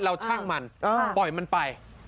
ช่างมันปล่อยมันไป